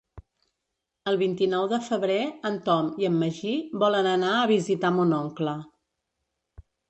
El vint-i-nou de febrer en Tom i en Magí volen anar a visitar mon oncle.